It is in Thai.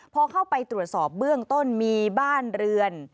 พอเข้าไปตรวจสอบเบื้องต้นมีบ้านเรือน